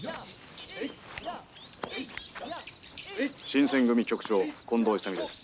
「新選組局長近藤勇です」。